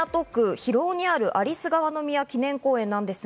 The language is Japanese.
広尾にある有栖川宮記念公園なんですが、